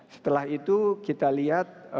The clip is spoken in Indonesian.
setelah itu kita lihat